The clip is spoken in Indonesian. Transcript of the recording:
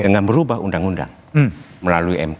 dengan merubah undang undang melalui mk